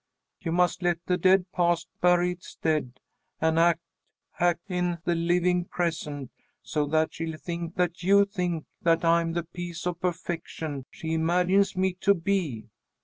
You must 'let the dead past bury its dead, and act act in the living present,' so that she'll think that you think that I'm the piece of perfection she imagines me to be."